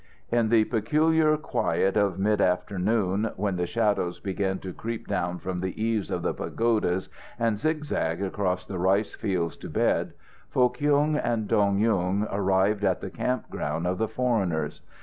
In the peculiar quiet of mid afternoon, when the shadows begin to creep down from the eaves of the pagodas and zigzag across the rice fields to bed, Foh Kyung and Dong Yung arrived at the camp ground of the foreigners.